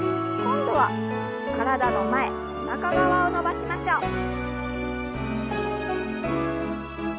今度は体の前おなか側を伸ばしましょう。